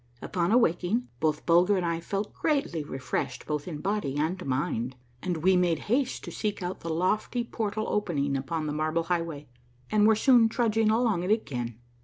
Upon awaking both Bulger and I felt greatly refreshed both in body and mind, and we made haste to seek out the lofty portal opening upon the Marble Highway, and were soon trudging along it again.